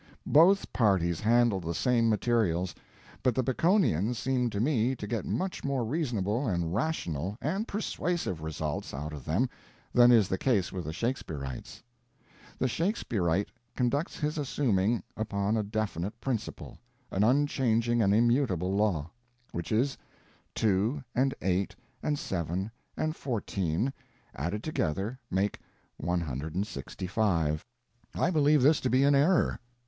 Both parties handle the same materials, but the Baconians seem to me to get much more reasonable and rational and persuasive results out of them than is the case with the Shakespearites. The Shakespearite conducts his assuming upon a definite principle, an unchanging and immutable law: which is: 2 and 8 and 7 and 14, added together, make 165. I believe this to be an error.